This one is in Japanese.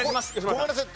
ごめんなさい